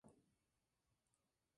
El avance prusiano era ya imparable.